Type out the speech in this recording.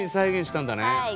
はい。